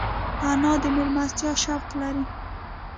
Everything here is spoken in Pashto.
انا د مېلمستیا شوق لري